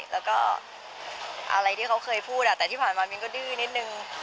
แล้วก็อะไรที่เขาเคยพูดแต่ที่ผ่านมามิ้นก็ดื้อนิดนึง